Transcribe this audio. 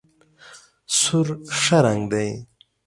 سور ښه رنګ دی.